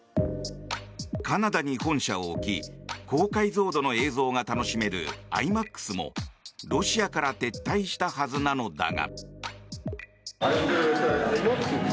カナダに本社を置き高解像度の映像が楽しめるＩＭＡＸもロシアから撤退したはずなのだが。